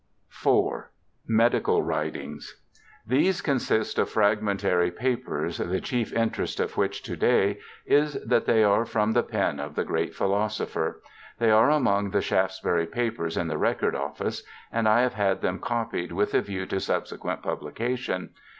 IV. Medical Writings These consist of fragmentary papers, the chief interest of which to day is that they are from the pen of the great philosopher. They are among the Shaftesbury papers in the Record Office, and I have had them copied with a view to subsequent publication.